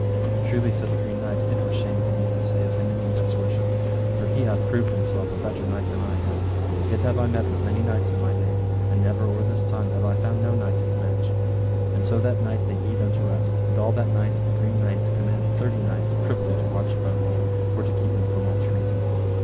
Truly, said the Green Knight, it were shame for me to say of him any disworship, for he hath proved himself a better knight than I am, yet have I met with many knights in my days, and never or this time have I found no knight his match. And so that night they yede unto rest, and all that night the Green Knight commanded thirty knights privily to watch Beaumains, for to keep him from all treason.